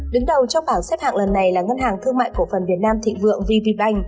đứng đầu trong bảng xếp hạng lần này là ngân hàng thương mại cổ phần việt nam thị vượng vvb